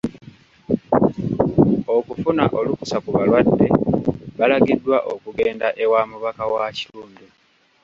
Okufuna olukusa ku balwadde balagiddwa okugenda ewa mubaka wa kitundu.